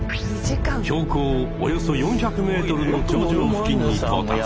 標高およそ４００ｍの頂上付近に到達！